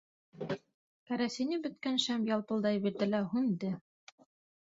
Кәрәсине бөткән шәм ялпылдай бирҙе лә һүнде.